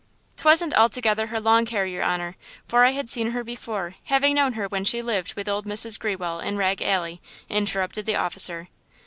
"'Twasn't altogether her long hair, your honor, for I had seen her before, having known her when she lived with old Mrs. Grewell in Rag Alley," interrupted the officer.